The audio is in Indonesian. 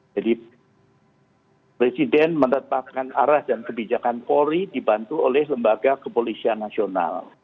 jadi presiden menetapkan arah dan kebijakan polri dibantu oleh lembaga kepolisian nasional